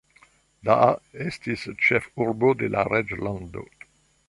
Daha estis ĉefurbo de la reĝlando.